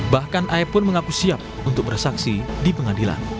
bahkan ae pun mengaku siap untuk bersaksi di pengadilan